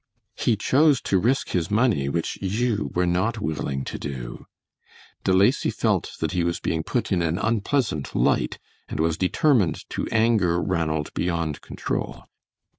"He chose to risk his money, which you were not willing to do." De Lacy felt that he was being put in an unpleasant light and was determined to anger Ranald beyond control.